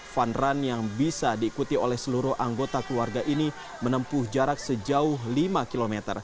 fun run yang bisa diikuti oleh seluruh anggota keluarga ini menempuh jarak sejauh lima km